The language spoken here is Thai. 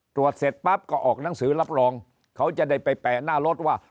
ตรวจเสร็จปั๊บก็ออกหนังสือรับรองเขาจะได้ไปแปะหน้ารถว่า